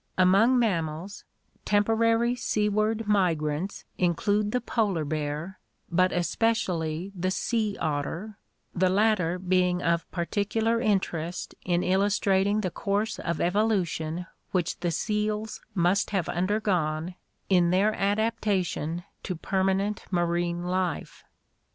Among mammals, temporary seaward migrants include the polar bear but especially the sea otter, the latter being of par ticular interest in illustrating the course of evolution which the seals must have undergone in their adaptation to permanent marine life.